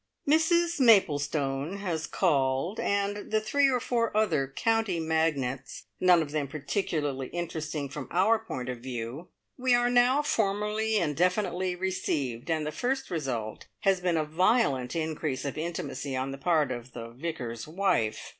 Mrs Maplestone has called, and the three or four other county magnates, none of them particularly interesting from our point of view. We are now formally and definitely "received," and the first result has been a violent increase of intimacy on the part of the Vicar's wife.